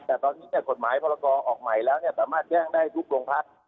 แต่ตอนนี้กฎหมายพรกรออกใหม่แล้วสามารถแจ้งได้ทุกโรงพัก